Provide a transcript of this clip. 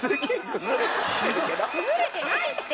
崩れてないって！